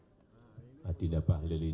jokowi mengaku terkesan melihat bahlil berpidato